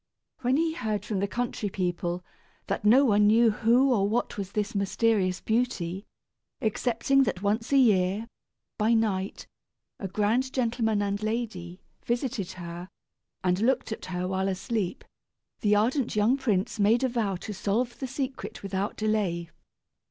When he heard from the country people that no one knew who or what was this mysterious beauty, excepting that once a year, by night, a grand gentleman and lady visited her, and looked at her while asleep, the ardent young prince made a vow to solve the secret without delay.